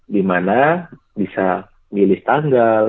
di mana bisa milih tanggal